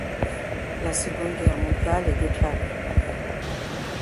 La Seconde Guerre mondiale est déclarée.